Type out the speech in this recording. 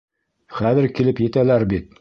Хәҙер килеп етәләр бит.